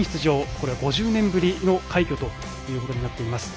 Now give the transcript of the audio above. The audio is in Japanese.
これは５０年ぶりの快挙ということになっています。